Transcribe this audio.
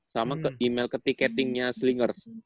sama email ke tiketingnya slingers